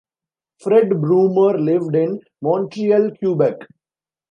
Fred Bruemmer lived in Montreal, Quebec.